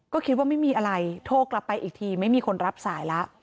ก็คิดว่าไม่มีอะไรโทรกลับไปอีกทีไม่มีคนรับสายแล้ว